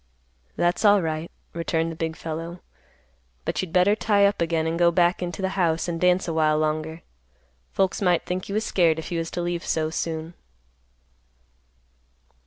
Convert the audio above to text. "That's alright," returned the big fellow; "But you'd better tie up again and go back into the house and dance a while longer. Folks might think you was scared if you was to leave so soon."